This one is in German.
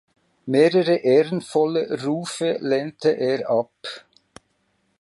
Mehrere ehrenvolle Rufe lehnte er ab.